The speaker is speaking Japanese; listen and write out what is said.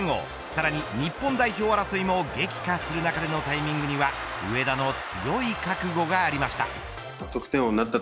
さらに日本代表争いも激化する中でのタイミングには上田の強い覚悟がありました。